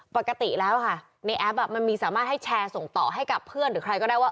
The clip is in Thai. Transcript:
ปกติแล้วค่ะในแอปมันมีสามารถให้แชร์ส่งต่อให้กับเพื่อนหรือใครก็ได้ว่า